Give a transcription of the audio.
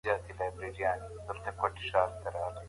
که ته حافظه ولرې نو ډېر څه به دي یاد وي.